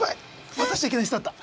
待たしちゃいけない人だった！